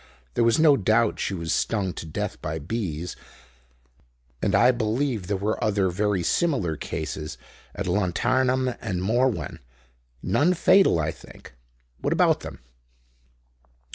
There was no doubt she was stung to death by bees, and I believe there were other very similar cases at Llantarnam and Morwen; none fatal, I think. What about them?"